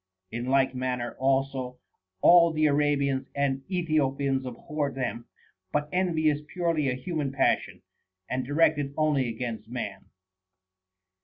In like manner also all the Arabians and Ethiopians abhor them. But envy is purely a human passion, and directed only against man.